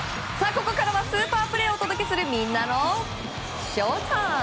ここからはスーパープレーをお届けするみんなのＳＨＯＷＴＩＭＥ。